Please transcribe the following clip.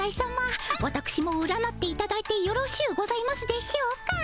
わたくしも占っていただいてよろしゅうございますでしょうか。